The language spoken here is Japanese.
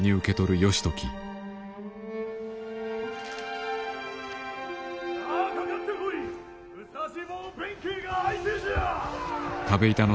武蔵坊弁慶が相手じゃ！